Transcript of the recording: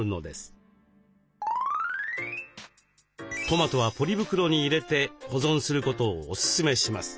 トマトはポリ袋に入れて保存することをおすすめします。